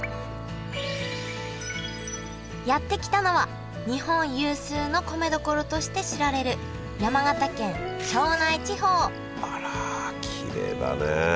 やって来たのは日本有数の米どころとして知られる山形県庄内地方あらきれいだね。